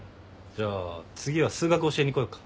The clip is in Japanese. じゃあ次は数学教えに来よっか？